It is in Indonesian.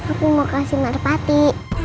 aku mau kasih berpati